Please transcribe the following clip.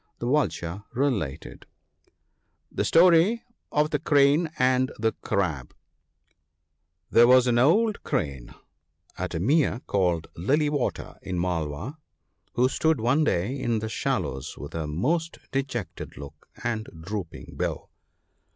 ' The Vulture related :— Cfic J>torp of tfje Crane anb tfje CtaUu HERE was an old Crane at a mere called Lily water, in Malwa, who stood one day in the shallows with a most dejected look and drooping bill.